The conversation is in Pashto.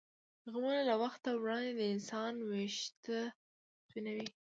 غمونه له وخته وړاندې د انسان وېښته سپینوي.